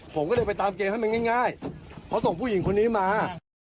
ผมก็เลยไปตามเกมให้มันง่ายเพราะส่งผู้หญิงคนนี้มา